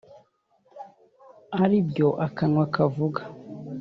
ari byo akanwa kavuga